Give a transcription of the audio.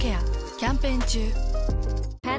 キャンペーン中。